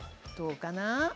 どうかな？